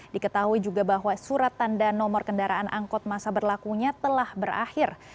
diketahui juga bahwa surat tanda nomor kendaraan angkot masa berlakunya telah berakhir